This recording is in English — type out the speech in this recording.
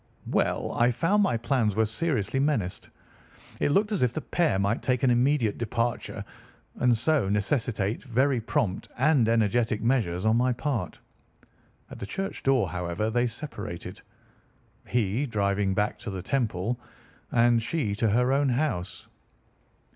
"Well, I found my plans very seriously menaced. It looked as if the pair might take an immediate departure, and so necessitate very prompt and energetic measures on my part. At the church door, however, they separated, he driving back to the Temple, and she to her own house.